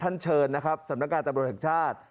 ท่านเชิญนะครับสำนักการณ์ตำรวจเอกชาติ